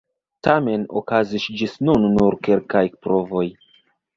Tamen okazis ĝis nun nur kelkaj provoj.